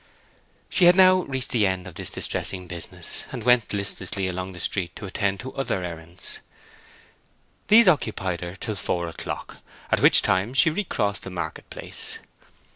She had now reached the end of this distressing business, and went listlessly along the street to attend to other errands. These occupied her till four o'clock, at which time she recrossed the market place.